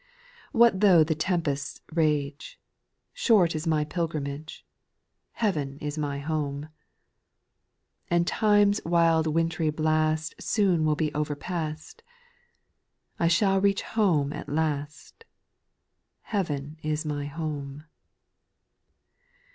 2. What though the tempests rage, Short is my pilgrimage, Heaven is my home. And time's wild wintry blast Soon will be overpast, I shall reach home at last. Heaven is my home.